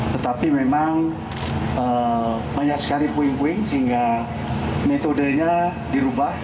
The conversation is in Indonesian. tetapi memang banyak sekali puing puing sehingga metodenya dirubah